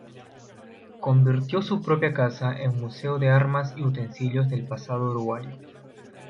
Convirtió su propia casa en museo de armas y utensilios del pasado uruguayo.